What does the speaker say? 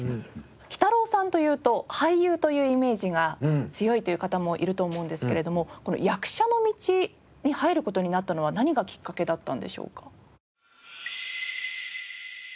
きたろうさんというと俳優というイメージが強いという方もいると思うんですけれども役者の道に入る事になったのは何がきっかけだったんでしょうか？